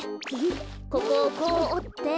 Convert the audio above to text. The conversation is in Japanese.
ここをこうおって。